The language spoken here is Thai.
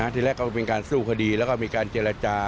ที่แรกก็เป็นการสู้คดีแล้วก็มีการเจรจา